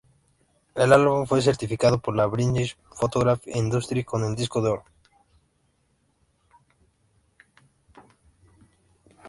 El álbum fue certificado por la British Phonographic Industry con el disco de oro.